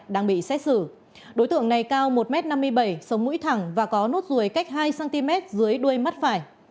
đang bị xét xử đối tượng này cao một m năm mươi bảy sống mũi thẳng và có nốt ruồi cách hai cm dưới đuôi mắt phải